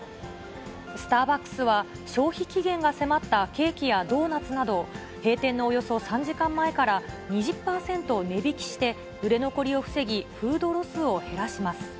スターバックスは、消費期限が迫ったケーキやドーナツなど、閉店のおよそ３時間前から２０％値引きして、売れ残りを防ぎ、フードロスを減らします。